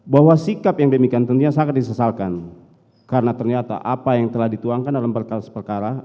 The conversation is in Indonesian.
bahwa sikap yang demikian tentunya sangat disesalkan karena ternyata apa yang telah dituangkan dalam perkara perkara